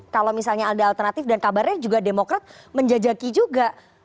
kalau misalnya ada alternatif dan kabarnya juga demokrat menjajaki juga